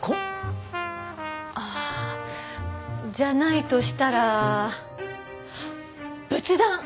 ああじゃないとしたらあっ仏壇！